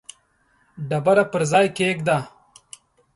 ډبره پر ځای کښېږده.